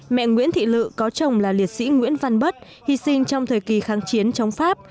mẹ nguyễn thị lự có chồng là liệt sĩ nguyễn văn bất hy sinh trong thời kỳ kháng chiến chống pháp